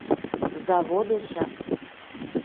— Заводешак.